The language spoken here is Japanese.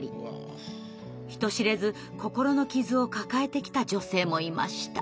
人知れず心の傷を抱えてきた女性もいました。